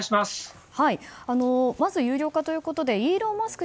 まず、有料化ということでイーロン・マスク